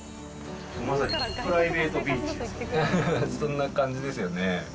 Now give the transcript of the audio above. まさにプライベートビーチでそんな感じですよね。